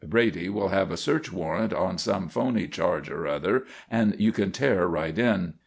Brady will have a search warrant on some 'phony charge or other, and you can tear right in."